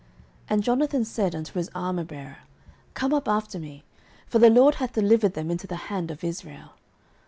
And Jonathan said unto his armourbearer, Come up after me: for the LORD hath delivered them into the hand of Israel.